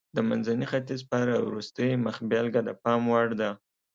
د منځني ختیځ په اړه وروستۍ مخبېلګه د پام وړ ده.